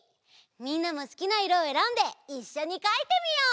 みんなもすきないろをえらんでいっしょにかいてみよう！